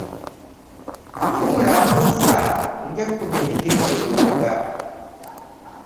Kibula abuuza ng’ekkubo erigenda emugga.